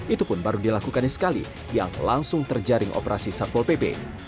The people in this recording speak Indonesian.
itu pun baru dilakukannya sekali yang langsung terjaring operasi satpol pp